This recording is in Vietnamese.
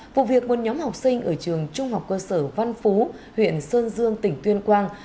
vụ việc một nhóm học sinh ở trường trung học cơ sở văn phú huyện sơn dương tỉnh tuyên quang